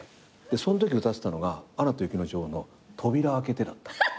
そのとき歌ってたのが『アナと雪の女王』の『とびら開けて』だった。